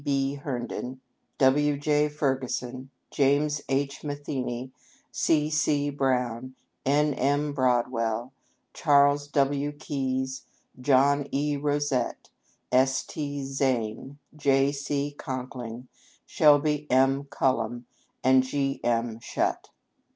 B. Herndon, W. J. Ferguson, James H. Matheney, C. C. Brown, N. M. Broadwell, Charles W. Keyes, John E. Rosette, S. T. Zane, J. C. Conkling, Shelby M. Cullom, and G. M. Shutt.